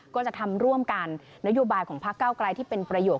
ก็จะทำร่วมกันนโยบายของพักเก้าไกลที่เป็นประโยชน